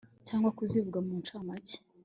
cyangwa kuzivuga mu ncamake